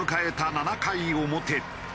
７回表。